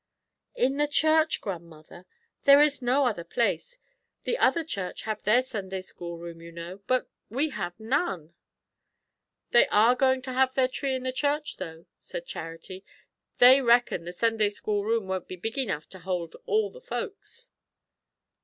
"In the church, grandmother; there is no other place. The other church have their Sunday school room you know; but we have none." "They are going to have their tree in the church, though," said Charity; "they reckon the Sunday school room won't be big enough to hold all the folks."